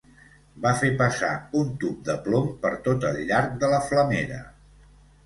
Va fer passar un tub de plom per tot el llarg de la flamera